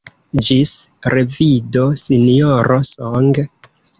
Ĝis revido, Sinjoro Song.